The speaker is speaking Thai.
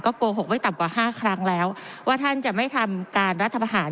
โกหกไม่ต่ำกว่าห้าครั้งแล้วว่าท่านจะไม่ทำการรัฐประหาร